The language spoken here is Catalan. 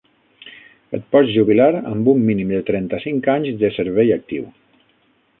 Et pots jubilar amb un mínim de trenta-cinc anys de servei actiu.